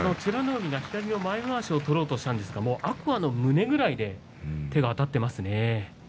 海が左前まわしを取ろうとしたんですが天空海の胸くらいで手があたっていますね。